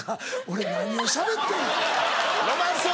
俺何をしゃべってんねん。